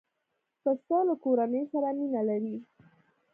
پسه له کورنۍ سره مینه لري.